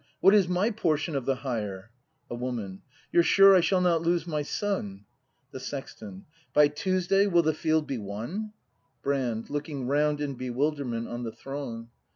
What is m y portion of the hire ? A Woman. You're sure I shall not lose my son ? The Sexton. By Tuesday will the field be won ? Brand. [Looking round in bewilderment on the throng.